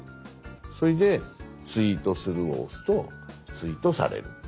それで「ツイートする」を押すとツイートされる。